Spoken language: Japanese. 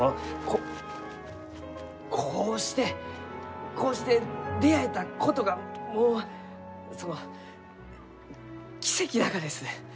こうしてこうして出会えたことが、もうその奇跡ながです！